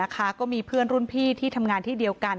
ก็มีเพื่อนรุ่นพี่ที่ทำงานที่เดียวกัน